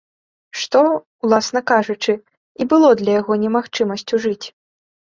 Што, уласна кажучы, і было для яго немагчымасцю жыць.